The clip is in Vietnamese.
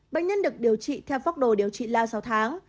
bệnh nhân được điều trị theo pháp đồ điều trị lao sáu tháng